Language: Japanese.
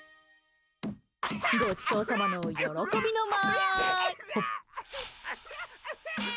ごちそうさまの喜びの舞！